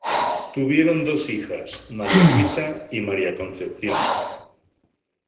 Tuvieron dos hijas María Luisa y María Concepción.